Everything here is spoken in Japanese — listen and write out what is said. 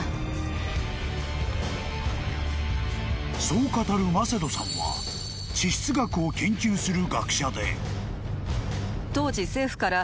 ［そう語るマセドさんは地質学を研究する学者で］